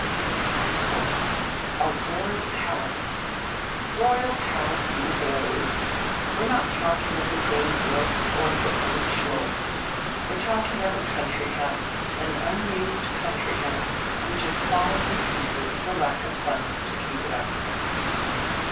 Impossible! A Royal Palace! Royal palace be blowed! We're not talking of the Grimmburg or of the Old Schloss. We're talking of a country house, an unused country house which is falling in pieces for lack of funds to keep it up.